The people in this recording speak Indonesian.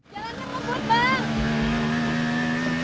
jalan ke kubur bang